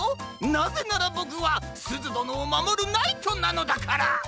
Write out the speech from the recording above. なぜならボクはすずどのをまもるナイトなのだから！